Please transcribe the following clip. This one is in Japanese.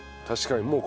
確かに。